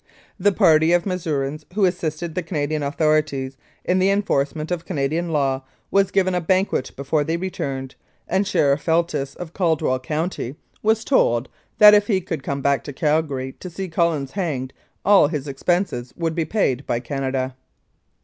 "The party of Missourians who assisted the Canadian authorities in the enforcement of Canadian law was given a banquet before they returned, and Sheriff Feltis, of Caldwell County, was told that if he would come back to Calgary to see Collins hanged all his expenses would be paid by Canada."